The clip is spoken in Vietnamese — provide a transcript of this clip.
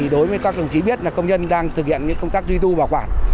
đối với các đồng chí biết là công nhân đang thực hiện những công tác duy tu bảo quản